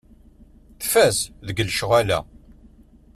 Tfaz deg lecɣal-a.